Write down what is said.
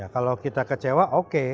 kalau kita kecewa oke